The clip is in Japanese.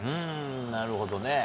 なるほどね。